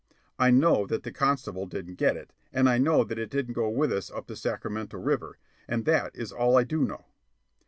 I know that the constable didn't get it, and I know that it didn't go with us up the Sacramento River, and that is all I do know.)